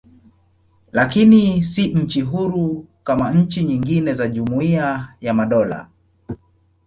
Lakini si nchi huru kama nchi nyingine za Jumuiya ya Madola.